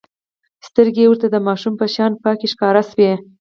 سترګې يې ورته د ماشوم په شان پاکې ښکاره شوې.